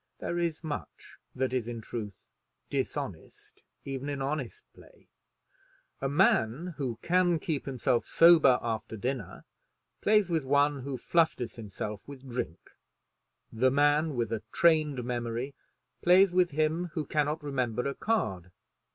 There is much that is, in truth, dishonest even in honest play. A man who can keep himself sober after dinner plays with one who flusters himself with drink. The man with a trained memory plays with him who cannot remember a card.